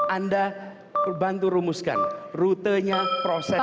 anda bantu rumuskan rutenya prosesnya